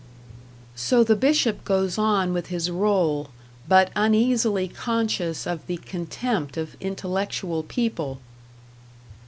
So the bishop goes on with his role, but uneasily conscious of the contempt of intellectual people.